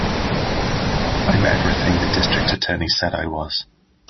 I'm everything the District Attorney said I was.